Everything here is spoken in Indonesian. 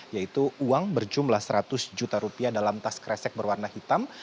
yaitu uang berjumlah seratus juta rupiah dalam tas kresek berwarna hitam